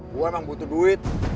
gue emang butuh duit